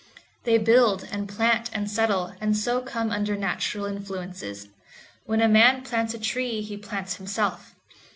They build, and plant, and settle, and so come under natural influences. When a man plants a tree he plants himself.